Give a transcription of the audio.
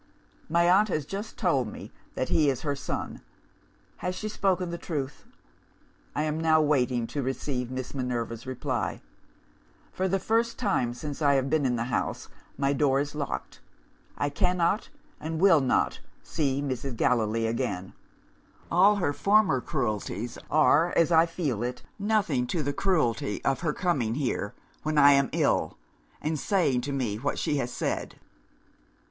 My aunt has just told me that he is her son. Has she spoken the truth?' "I am now waiting to receive Miss Minerva's reply. "For the first time since I have been in the house, my door is locked. I cannot, and will not, see Mrs. Gallilee again. All her former cruelties are, as I feel it, nothing to the cruelty of her coming here when I am ill, and saying to me what she has said.